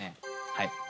はい